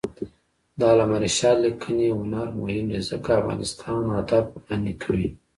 د علامه رشاد لیکنی هنر مهم دی ځکه چې افغانستان ادب غني کوي.